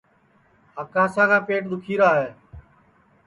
آکاشا کا پیٹ دُؔکھیرا ہے